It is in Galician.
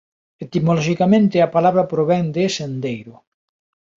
Etimoloxicamente a palabra provén de sendeiro.